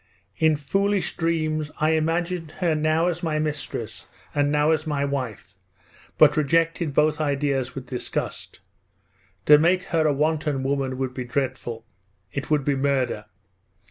In foolish dreams I imagined her now as my mistress and now as my wife, but rejected both ideas with disgust. To make her a wanton woman would be dreadful. It would be murder.